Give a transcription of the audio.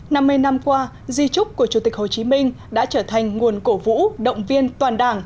năm mươi năm qua di trúc của chủ tịch hồ chí minh đã trở thành nguồn cổ vũ động viên toàn đảng